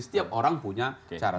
setiap orang punya cara